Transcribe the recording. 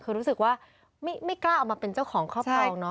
คือรู้สึกว่าไม่กล้าออกมาเป็นเจ้าของเขาเปล่านะ